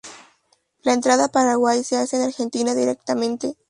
La entrada a Paraguay se hace en Argentina directamente.